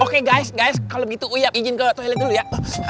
oke guys guys kalau gitu uyak izin ke toilet dulu ya